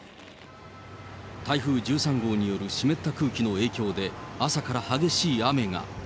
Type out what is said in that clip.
台風１３号による湿った空気の影響で、朝から激しい雨が。